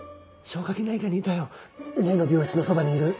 消化器内科にいたよ例の病室のそばにいる。